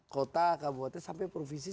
kota kabupaten sampai provinsi